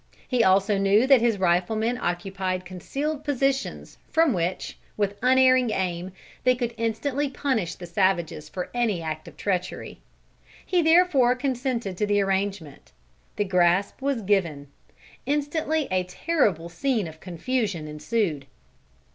He also knew that his riflemen occupied concealed positions, from which, with unerring aim, they could instantly punish the savages for any act of treachery. He therefore consented to the arrangement. The grasp was given. Instantly a terrible scene of confusion ensued.